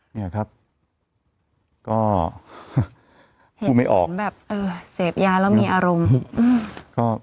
เนี่ยครับก็พูดไม่ออก